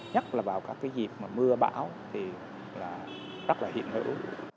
nhất là vào các cái dịp mà mưa bão thì rất là hiện hữu